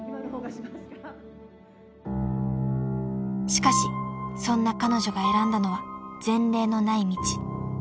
［しかしそんな彼女が選んだのは前例のない道］